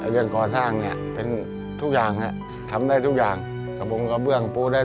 เรื่องกสร้างเนี่ยเป็นการดูแลหลาน